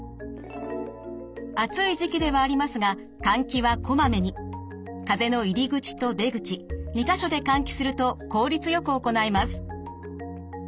暑い時期ではありますが風の入り口と出口２か所で換気すると効率よく行えます。